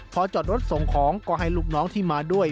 พอจอดรถส่งของก็ให้ลูกน้องที่มาด้วย